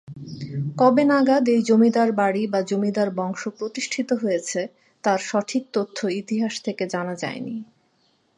কবে নাগাদ এই জমিদার বাড়ি বা জমিদার বংশ প্রতিষ্ঠিত হয়েছে তার সঠিক তথ্য ইতিহাস থেকে জানা যায়নি।